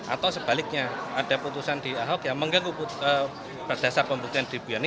atau sebaliknya ada putusan di ahok yang mengganggu berdasar pembuktian di buyani